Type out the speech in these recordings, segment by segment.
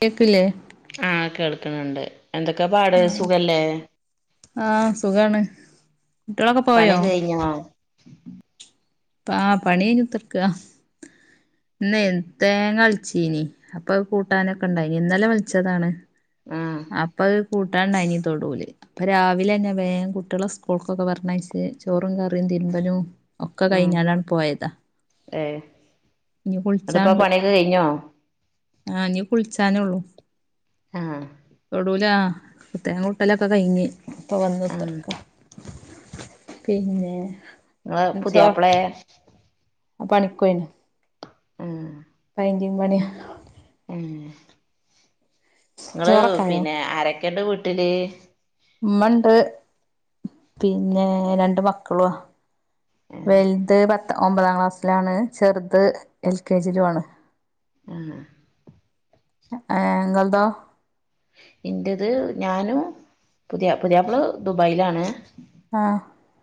കേക്കില്ലേ ആഹ് കേൾക്കണണ്ട് എന്തൊക്കെ പാട് സുഖല്ലേ ആഹ് സുഖാണ് കുട്ടികളൊക്കെ പോയോ പണിയൊക്കെ കഴിഞ്ഞോ ആ പണി കഴഞ്ഞിത്ത്ർക്ക. ഇന്ന തേങ്ങ വൽച്ചീനി അപ്പൊ കൂട്ടാനൊക്കെ ഇണ്ടായിനി ഇന്നലെ വൽച്ചതാണ് ആഹ് അപ്പൊ കൂട്ടാണ്ടായിനി തൊടൂല് അപ്പൊ രാവിലെന്നെ വേഗം കുട്ടിയളെ സ്കൂൾക്കൊക്കെ പറഞ്ഞഴച്ച് ചോറും കറിയും തിരുമ്പലും ഒക്കെ ഉം കഴിഞ്ഞാലാണ് പോയത അതിപ്പാ പണിയൊക്ക കഴിഞ്ഞോ ആഹ് ഇഞ്ഞ് കുളിച്ചാനേള്ളൂ ആഹ് തൊടൂല തേങ്ങ കൂട്ടലൊക്കെ കഴിഞ്ഞ് പ്പൊ ആഹ് വന്ന്ത്തർക്ക പിന്നെ നിങ്ങളെ പുതിയാപ്പളെ പണിക്കോയിണ് ആഹ് പൈന്റിംഗ് പണിയാ ഏഹ് നിങ്ങള് ചോറൊക്കായോ പിന്നെ ആരക്ക്ണ്ട് വീട്ടില് ഉമ്മണ്ട് പിന്നെ രണ്ട് മക്കളുവ വലുത് പത്ത് ഒമ്പതാം ക്ലാസ്സിലാണ് ചെറുത് എൽ കെ ജി യിലും ആണ് ഉം ഏഹ് ഇങ്ങൾതോ എന്റേത് ഞാനും പുതിയ പുതിയാപ്പള ദുബായിലാണ് ആഹ്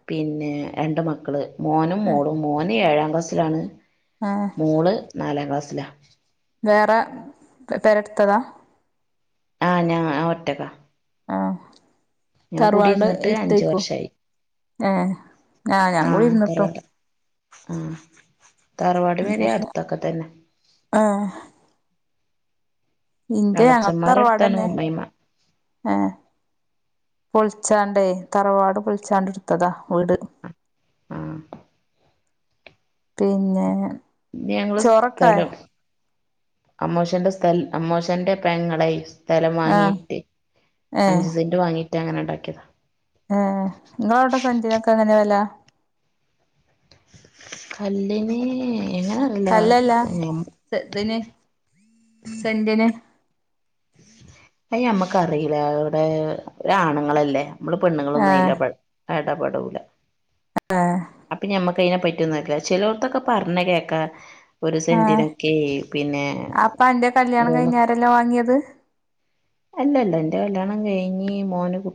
പിന്നെ രണ്ട് മക്കള് മോനും മോളും മോന് ഏഴാം ക്ലാസ്സിലാണ് ആഹ് മോള് നാലാം ക്ലാസ്സിലാ വേറെ പെര ഇട്ത്തതാ ആഹ് ഞാൻ ആ ഒറ്റക്ക ആഹ് തറവാട് കൂടിയിരുന്നിട്ട് അഞ്ച് എരുത്തായ്ക്കൂ വർഷായി ഏഹ് ആഹ് ഞാൻ കൂടി ഇരുന്നിപ്പോ ആഹ് തറവാട് പേരാ അടുത്തൊക്കെ തന്നെ ആഹ് ഇന്റെ എളച്ചന്മാരടുത്താണ് അത്തറവാടന്നെ അമ്മായിമ്മ ഏഹ് പൊളിച്ചാണ്ടേ തറവാട് പൊളിച്ചാണ്ട് എടുത്തതാ വീട് ആഹ് പിന്നെ ഞങ്ങള് ചോറൊക്കായോ സ്ഥലം അമ്മോശന്റെ സ്ഥല അമ്മോശന്റെ പെങ്ങളെയ്സ് സ്ഥലം ആഹ് വാങ്ങിയിട്ട് ഏഹ് അഞ്ച് സെന്റ് വാങ്ങിട്ട് അങ്ങനെ ഉണ്ടാക്കിയതാ ഏഹ് നിങ്ങളവിടെ സഞ്ചിനൊക്കെ എങ്ങനെ വെല കല്ലെനീ ഇങ്ങളാ കല്ലല്ല സെ തിന് സെന്റിന് അത് ഞമ്മക്കറിയില്ല അവിടെ ആണുങ്ങളല്ലേ നമ്മള് പെണ്ണുങ്ങളൊന്നും അതിൽ ആഹ് ഇടപെടൂല ഏഹ് അപ്പൊ ഞമ്മക്ക് അയ്നെ പറ്റിയൊന്നുമല്ല ചിലോർത്തൊക്കെ പറഞ്ഞ് കേക്കാ ഒരു ആഹ് സെന്റിനൊക്കെ പിന്നെ മൂന്ന് ന്നോ വാങ്ങിയത് അല്ല അല്ല എന്റെ കല്ല്യാണം കഴിഞ്ഞ് മോന് കു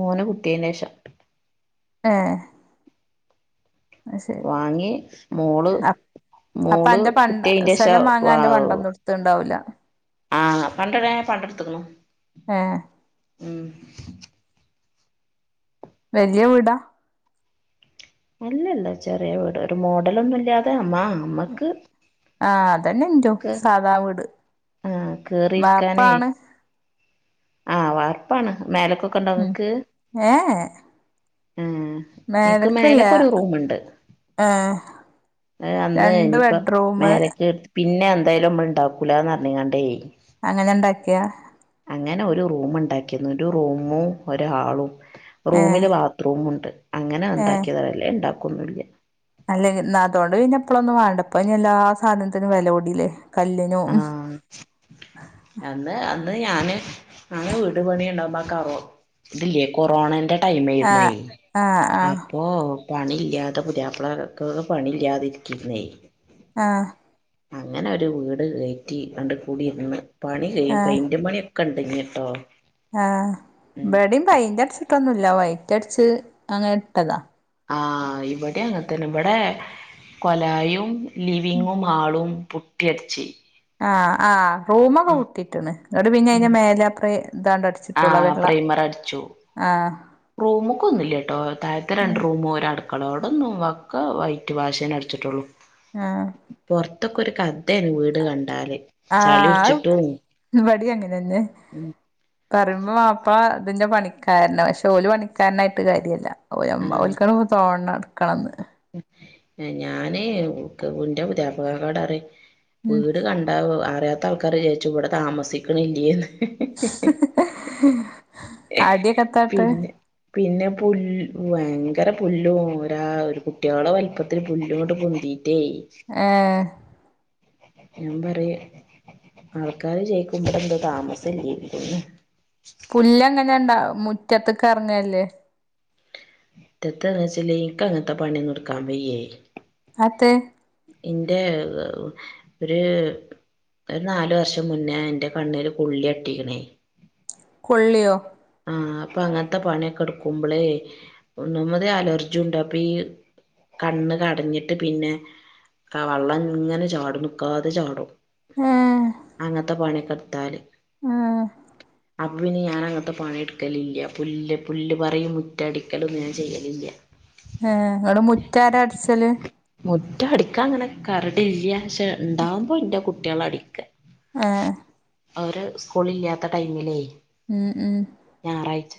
മോന് കുട്ടിയനേഷാ ഏഹ് അത് ശരി വാങ്ങി സ്മോള് അപ്പൊ അന്റെ പണ്ട സ്ഥലം വാങ്ങാൻ അന്റെ പണ്ടൊന്നും എടുത്തണ്ടാവൂല്ല ആഹ് പണ്ടടെ പണ്ടടുത്തുക്കുണു ഏഹ് വെരിജിയ വീടാ അല്ലല്ല ചെറിയ വീട് ഒരു മോഡലൊന്നും ഇല്ലാതെ അമ്മ അമ്മക്ക് ആഹ് അതന്നെ ഇന്റോ കേ സാധാ വീട് ആഹ് കേറിരിക്കാനേ വാർപ്പാണ് ആഹ് വാർപ്പാണ് മേലക്കൊക്കെ ഉണ്ടോ ഉം നിങ്ങക്ക് ഏഹ് ആഹ് എനിക്ക് മേലക്കില്ല മേലക്കൊരു റൂമുണ്ട് ഏഹ് അത് അന്ന് രണ്ട് ഇനിപ്പ ബെഡ്റൂമ് മേലക്ക് പിന്നെ എന്തായാലും നമ്മൾ ഇണ്ടാക്കൂലാന്ന് പറഞ്ഞെക്കണ്ടേ അങ്ങനെ ഇണ്ടാക്കിയ അങ്ങനെ ഒരു റൂമ് ഉണ്ടാക്കിന്നു ഒരു റൂമും ഒരു ഹാളും ഏഹ് റൂമില് ബാത്റൂമും ഉണ്ട് അങ്ങനെ ഉണ്ടാക്കിയതാ അല്ലേൽ ഉണ്ടാക്കൊന്നൊല്ലാ അല്ലെങ്കി ഇല്ലാത്തോണ്ട് ഇനി എപ്പളൊന്നും വേണ്ട ഇനി എല്ലാ സാധനത്തിനും വെല കൂടില്ലേ കല്ലിനും ആഹ് അന്ന് അന്ന് ഞാന് ഞാന് വീട് പണി ഉണ്ടാകുമ്പോ കറു ഇതില്യ കൊറോണന്റെ ടൈം ആയിരുന്നു ആഹ് ആഹ് ആഹ് അപ്പൊ പണി ഇല്ലാതെ പുതിയാപ്ലക്ക് പണി ഇല്ലാതെ ഇരിക്കിര്ന്നേ ആഹ് അങ്ങനെ ഒരു വീട് കേറ്റി അണ്ട് കുടിരിന്ന് പണി കഴിയ ആഹ് പയിന്റ് പണി കണ്ടിഞ്ഞിട്ടേ ആഹ് ഇബടേം പൈറ്റടിച്ചിട്ടൊന്നുമല്ല വൈറ്റടച്ച് അങ്ങനെ ഇട്ടതാ ആഹ് ഇവിടേം അങ്ങനത്തന്നെ ഇവിടെ കൊലായും ലിവിങ്ങും ആളും പുട്ടിഅടിച്ചി ആഹ്! ആഹ്! റൂമൊക്കെ പെട്ടിട്ടണ് പിന്നെ ഉം അയി മേലപ്രേ ഏതാണ്ട് അടിച്ചിട്ടുള്ള ആഹ് വെള്ള ആഹ്! റൂമൊക്കെ ഒന്നുമല്ല കേട്ടോ താഴത്തെ രണ്ട് റൂമ് ഒരടു മക്കളോടൊന്നും വക്ക വൈറ്റ് വാഷേൻ തന്നെ അടിച്ചിട്ടുള്ളു! ആഹ് പൊറത്തൊക്കെ ഒരു കഥയാണ് വീട് കണ്ടാല് ചളി ആഹ് പിടിച്ചിട്ടും ഇവിടെ അങ്ങനെന്നെ ഉം പറയുമ്പോ വാപ്പ അതിന്റെ പണിക്കാരനാ പക്ഷെ ഓലി പണിക്കാരനായിട്ട് കാര്യമല്ല! ഓയമ്മ ആഹ് ഓൽക്ക് തോണണം എടുക്കണംന്ന് ഞാന് ഇന്റെ പുതിയാപ്പൾനോട് പറയും ഉം വീട് കണ്ട ആഹ് അറിയാത്ത ആൾക്കാര് ചോദിച്ചു ഇവിടെ താമസിക്കണില്ലേന്ന് അടിയക്കെ യത്താ. ഇട്ടത് പിന്നെ പിന്നെ പുൽ ഭയങ്കര പുല്ലും ഒരാ ഒരു കുട്ടികളെ വലിപ്പത്തിൽ പുല്ലിങ്ങോട്ട് പൊന്തി [unintelligible] ഏ ഞാൻ പറയാ ആൾക്കാര് ചേയിക്കുമ്പോടെ എന്താ താമസം ഇല്ലെന്നു പുല്ല എങ്ങനെണ്ടാ മുറ്റത്തേക്ക് ഇറങ്ങല്ലേ മുറ്റത്താറാച്ച ലീക്കാണിട്ടൊ പണിയൊന്നും എടുക്കാൻ വയ്യേ! അതെ! എന്റെ ഒരു ഒരു നാല് വർഷം മുന്നേ എൻ്റെ കണ്ണിൽ കുള്ളി അട്ടിക്കണേ കൊള്ളിയോ ആഹ്! അപ്പൊ അങ്ങനത്തെ പണിയൊക്കെ എടുക്കുമ്പോളേ ഒന്നാമതെ അലർജി ഉണ്ട് അപ്പൊ ഈ കണ്ണ് കടഞ്ഞിട്ട് പിന്നെ വെള്ളം ഇങ്ങനെ ചാടും നിക്കാതെ ചാടും ഏ അങ്ങനത്തെ പണിക്കെടുത്താല് ഏ അപ്പം പിന്നെ ഞാൻ അങ്ങനത്തെ പണിയെടുക്കലില്ല പുല്ല് പുല്ല് പറിയും മുറ്റടിക്കലും ഞാൻ ചെയ്യലില്ല ഏ ഇങ്ങട്ട് ആരാ മുറ്റാര അടച്ചില്? മുറ്റ അടിക്കാ അങ്ങനെ കരട് ഇല്ല പക്ഷേ ഉണ്ടാവകുമ്പോ ഇന്റെ കുട്ടികളാ അ ടിക്കാ ആഹ് അവര് സ്കൂള് ഇല്ലാത്ത ടൈമിലേ! ഉം ഉം ഞായറാഴ്ച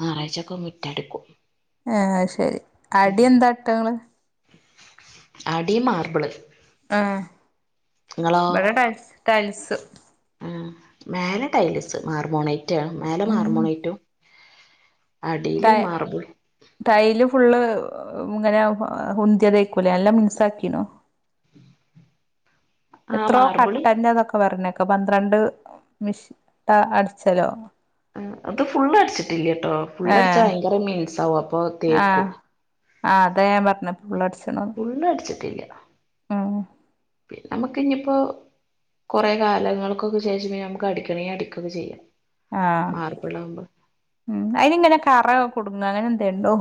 ഞായറാഴ്ചൊക്കെ മുറ്ടിക്കും ആഹ് അത് ശരി അടി എന്താ ട്ടങ്ങള്? അടി മാർബിള് ആഹ് നിങ്ങളോ ഇവിടെ ടൈൽസ് ആഹ് മേലെ ടൈലസ് മാർ ബോണൈറ്റ് മേലെ മാർ ഉം ബോണൈറ്റും അടിയില് ടൈ മാർബിൾ ടൈല് ഫുള്ള് ഇങ്ങനെ ഉന്തിയതേക്കുലേ നല്ല മിനുസ ആക്കീനോ ആ എത്രോ മാർബിള് കട്ടന്ന അതൊക്കെ പറഞ്ഞു ഇപ്പൊ പന്ത്രണ്ട് മിഷി അടിച്ചലോ അത് ഫുള്ള് അടിച്ചിട്ടില്ല കേട്ടോ ഫുള്ള് ഏ അടിച്ചാ ഭയങ്കരമിനുസ ആവും അപ്പൊ തേക്കും ആ ആഹ് അതാ ഞാൻ പറഞ്ഞ പുള്ളടിച്ചണ്ടന്ന് ഫുള്ള് അടിച്ചിട്ടില്ല പിന്നെ നമുക്ക് ഇനിയിപ്പോ- കുറെ കാലങ്ങൾക്കൊക്കെ ശേഷം നമുക്ക് അടിക്കണങ്കി അടിക്കൊക്കെ ചെയ്യാം ആഹ് മാർബിളാകുമ്പോ ഉം അയിനി ഇങ്ങനെ കറ കൊടുങ്ങ അങ്ങനെ എന്തെണ്ടോ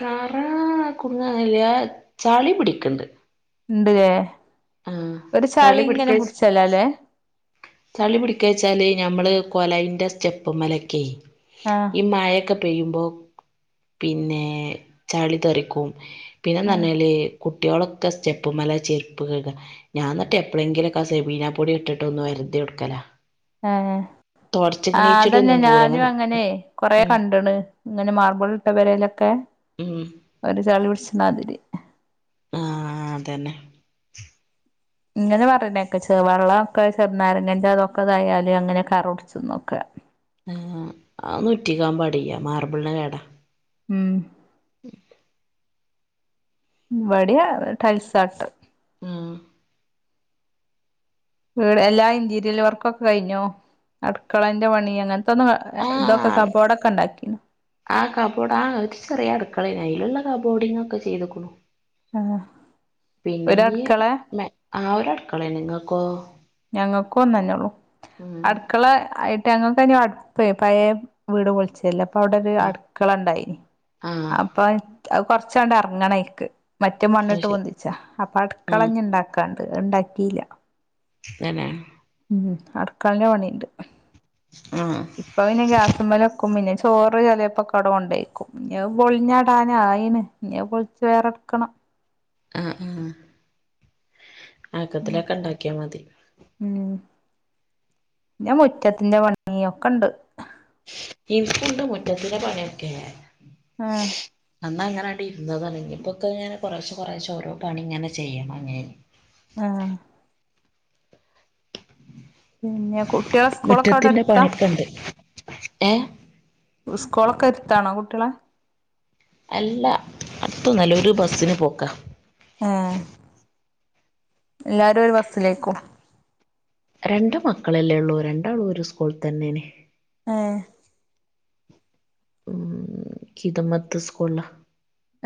കറ കുടുങ്ങല്ല ചളി പിടിക്കണ്ട് ഉണ്ട്ല്ലേ ആഹ് ഒരു ചളി ഇങ്ങനെ പിടിച്ചാലോ അല്ലേ ചളി പിടിക്ക വച്ചാല് ഞമ്മള് കൊലയിന്റെ സ്റ്റെപ്പു മേലൊക്കെയ് ആഹ് മഴൊക്കെ പെയ്യുമ്പോ പിന്നെ ചളി തെറിക്കും ആഹ് പിന്നെന്നറിഞ്ഞാല് കുട്ട്യോളൊക്കെ സ്റ്റെപ്പ്മല ചെരി പ്പ് കയ്കാൻ ഞാന്നിട്ട് എപ്പഴെങ്കിലൊക്കെ സെബീനാ പൊടി ഇട്ടിട്ട് ഒന്നു ഒരുതി എടുക്കലാ ആഹ് ആഹ് അതന്നെ ഞാനും അങ്ങനെ കൊറേ ഉം കണ്ടണ് ഇങ്ങനെ മാർബളിട്ട പൊരയിലൊക്കെ ഉം ഒരു ചളി പിടിച്ചമാതിരി ആഹ് അതന്നെ ഇങ്ങനെ പറയുന്നേക്കെ ചെ വെള്ളോക്കെ ചെറുനാരങ്ങിന്റെ അതൊക്കെതായാലും അങ്ങനെ കറോടിച്ചന്നൊക്കെ ആനൊറ്റിക്കാൻ പാടില്ല മാർബിളിന് കേട ഉം ഇബടിയ ടൈൽസട്ടെ ഉം വീട് എല്ലാ ഇന്റീരിയൽ വർക്കൊക്കെ കഴിഞ്ഞോ അടുക്കളന്റെ പണി അങ്ങനത്തന്നും ഇതൊക്കെ കബോർഡൊക്കെ ഇണ്ടാക്കിനോ ആഹ് കബോർഡ് ആഹ് ഒരു ചെറിയ അടുക്കളല്ലേ അതിനുള്ള കബോർടൊക്കെ ചെയ്തുക്കണു ആഹ് പിന്നെ ഒരടുക്കളെ ഇനിആഹ് ഒരു അടുക്കളേ നിങ്ങൾക്കോ ഞങ്ങൾക്കു ഒന്നന്നേള്ളു ഉം അടുക്കള ആയി- ട്ട് ഞങ്ങൾക്ക്നി അടുപ്പ് പഴയ വീട് പൊളിച്ചല്ല അപ്പ അവിടെ ഒരു ആഹ് അടുക്കളണ്ടായിനി ആഹ് അപ്പൊ അ കൊറച്ചാട ഇറങ്ങണക്ക് മറ്റേ അത് മണ്ണിട്ട് ശരി പൊന്തിച്ചാ അപ്പൊ ഉം അടുക്കളഞ്ഞ ഇണ്ടാക്കാണ്ട് ഉണ്ടാക്കിയില്ല എങ്ങനെ ഉം അടുക്കളന്റെ പണിണ്ട് ആഹ് ഇപ്പ പിന്നെ ഗ്യാസമല് ക്കും പിന്നെ ചോറ് അങ്ങപ്പാടെ കൊണ്ടേക്കും ഇനി പൊളിഞ്ഞടാന ആയിണ് ഇനി അത് പൊളിച്ച് വേറെ എടുക്കണം ആഹ് ആഹ് ആക്കത്തിലക്കെ ഉണ്ടാക്കിയാൽ മതി ഉം പിന്നെ മുറ്റത്തിന്റെ പണിയൊക്കെണ്ട് ഇവിടുംണ്ട് മുറ്റത്തിന്റെ പണിയൊക്കെ ആ അന്നങ്ങനെ ഇരുന്നതാണ് ഞാൻ ഇപ്പൊക്കെ കുറേശെ കുറേശെ ഓരോ പണിങ്ങനെ ചെയ്യണം ഞാൻ ആഹ് പിന്നെ കുട്ടികളെ സ്കൂളൊക്കെ അവിടെ മുറ്റത്തിന്റെ അടുത്താ പണിയൊക്കെണ്ട് ഏഹ് സ്കോളൊക്കെ അടുത്താണോ കുട്ട്യളെ അല്ല അടുത്ത് ഉള്ളോര് ബസ്സിന് പോക്കാ ആ എല്ലാരും ഒരു ബസ്സിലേക്കും ആ രണ്ട് മക്കളല്ലേ ഉള്ളൂ രണ്ടാളും ഒരു സ്കൂളിൽ തന്നല്ലേ? ആഹ് കിതമ്മത്ത് സ്കൂളില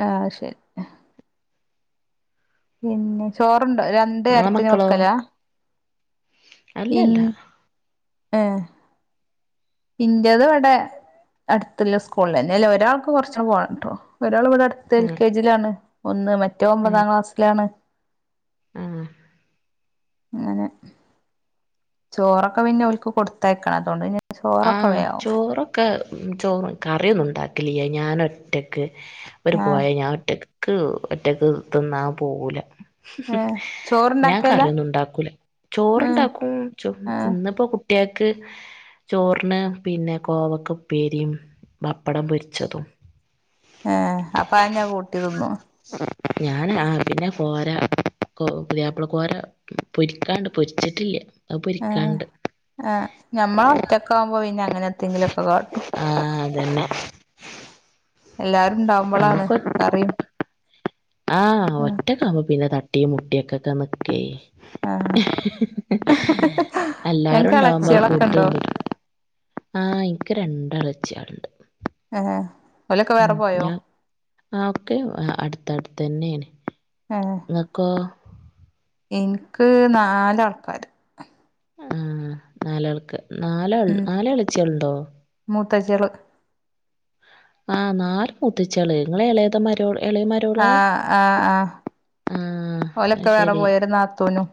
ആഹ് ശരി പിന്നെ ചോറുണ്ടോ രണ്ട് നിങ്ങളെ നേരത്തിന് മക്കളോ വെക്കലാ ഇൻ അല്ലല്ല ഏഹ് ഇന്റേത് ഇവിടെ അടുത്തുള്ള സ്കൂളിലാ ഇല്ലേ അതില് ഒരാൾക്ക് കൊറച്ച് കൂടി പോകണം കേട്ടോ ഒരാൾ ഇവിടെ അട് - എൽ ആഹ് കെ ജിലാണ് ഒന്ന് മറ്റോ ആഹ് ഒമ്പതാം ക്ലാസ്സിലാണ്. ആഹ് അങ്ങനെ ചോറൊക്കെ പിന്നെ ഓല്ക്ക് കൊടുത്തയക്കണള്ളോ അതോണ്ട്ണ്ട് ചോറൊക്കെ വേഗയാവും ഒക്കെ ചോറ് കറിയൊന്നും ഉണ്ടാക്കില്ല ഞാൻ ഒറ്റയ്ക്ക് ഇവര് ആ പോയാൽ ഞാൻ ഒറ്റയ്ക്ക് എനക്ക്‌ ഒറ്റക്ക് തിന്ന പോവൂല ഏ ഞാൻ ചോറുണ്ടാക്കല കറിയൊന്നു ഉണ്ടാക്കൂല ഏ ചോറുണ്ടാക്കും ഏ ഇന്നപ്പോ കുട്ടികൾക്ക് - ചോറിന് പിന്നെ കോവക്ക ഉപ്പേരിയും പപ്പടം പൊരിച്ചതും- ഏയെ അപ്പൊ അത് തന്നാ കൂട്ടി തിന്നു ഞാന് ആ പിന്നെ കൊരാ കൊ പുതിയാപ്പിള കോര പൊരിക്കാണ്ട് പൊരിച്ചിട്ടില്ല അത് ഏ പൊരിക്കാണ്ട് ഒറ്റയ്ക്കാവുമ്പൊ പിന്നെ അങ്ങനെ എന്തെങ്കിലും ഒക്കെ കാട്ടും ആഹ് അത് തന്നെ എല്ലാരും ഉണ്ടാവകുമ്പോളാണ് കറിയും- ആഹ് ഒറ്റക്ക്‌ ആവുമ്പോ പിന്നെ തട്ടിം മുട്ടിയൊക്കെ നിക്കേ ആ എല്ലാരും ഞങ്ങക്ക് ഉണ്ടാവുമ്പോ ഇളച്ചികളൊക്കെ ഫുഡും ഉണ്ടോ ഒണ്ട് ആ എനിക്ക് രണ്ട് എളയിച്ചികള് ഉണ്ട് ആഹ് ഉം ഞാൻ ആ ഒക്കെയും അടുത്തടുത്ത് തന്നെയാണ് ആഹ് ഇങ്ങക്കൊ എനിക്ക് നാലാ ആൾക്കാര് ആഹ് നാലാൾക്കാര് നാല് ഉം എളയച്ചി കളുണ്ടോ മൂത്തച്ചികള് ആഹ് നാല് മുത്തിച്ചികള് നിങ്ങള് എ ളയതൊ മരുമോള് എളയ മരുമോൾള് ആഹ് ആഹ് ആഹ് ആഹ് അത് ഓലൊക്കെ വേറെ ശരി പോയ രു നാത്തൂനും